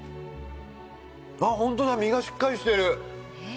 あっホントだ身がしっかりしてる。